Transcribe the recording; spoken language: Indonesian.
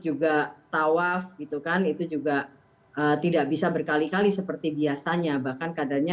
juga tawaf gitu kan itu juga tidak bisa berkali kali seperti biasanya bahkan kadangnya